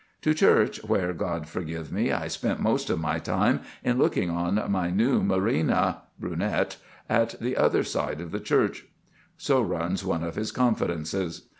"To church, where, God forgive me! I spent most of my time in looking on my new Morena [brunette] at the other side of the church." So runs one of his confidences.